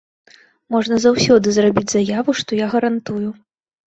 Можна заўсёды зрабіць заяву, што я гарантую.